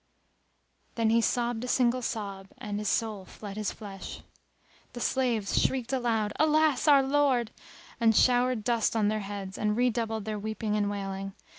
Then he sobbed a single sob and his soul fled his flesh. The slaves shrieked aloud, "Alas, our lord!" and showered dust on their heads and redoubled their weeping and wailing.